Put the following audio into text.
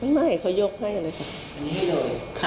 ไม่เขายกให้เลยค่ะ